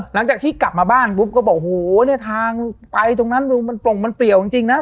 หลังจากที่กลับมาบ้านปุ๊บก็บอกโหเนี่ยทางไปตรงนั้นดูมันโปร่งมันเปลี่ยวจริงนะ